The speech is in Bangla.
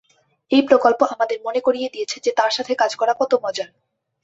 এই প্রকল্প আমাদের মনে করিয়ে দিয়েছে যে তার সাথে কাজ করা কত মজার।